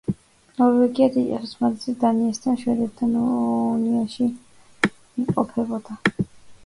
ნორვეგია დიდი ხნის მანძილზე დანიასთან და შვედეთთან უნიაში იმყოფებოდა.